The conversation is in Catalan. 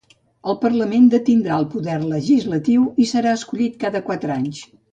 El Parlament detindrà el poder legislatiu i serà escollit cada quatre anys.